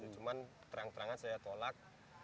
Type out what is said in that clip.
cuman terang terangan saya tolak